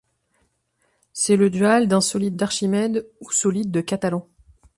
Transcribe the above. C'est le dual d'un solide d'Archimède ou solide de Catalan.